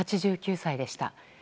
８９歳でした。